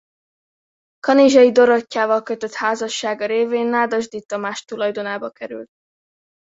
Kanizsai Dorottyával kötött házassága révén Nádasdy Tamás tulajdonába került.